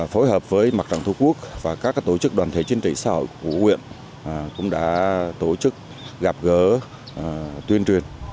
phối hợp với mặt trận thu quốc và các tổ chức đoàn thể chính trị xã hội của huyện cũng đã tổ chức gặp gỡ tuyên truyền